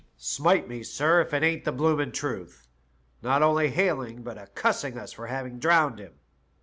"' Smite me, sir, if it ain't the blooming truth ; not only hailing but a cussing us for having drowned him.'